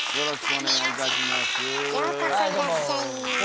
ようこそいらっしゃい。